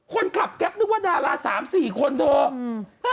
คนขับแก๊บนึกว่าดารา๓๔คนเถอะ